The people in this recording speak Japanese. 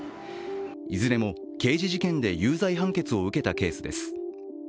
いずれも刑事事件で有罪判決を受けたケースです。